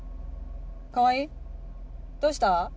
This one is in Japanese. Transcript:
川合どうした？